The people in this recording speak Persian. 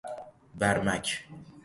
بَرمک